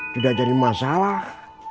tidak jadi masalah